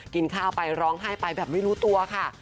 กินข้าวไปร้องไห้ไปแบบไม่รู้ตัวค่ะ